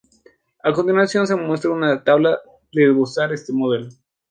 A continuación se muestra una tabla de esbozar este modelo.